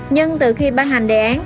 nhưng từ khi ban hành đề án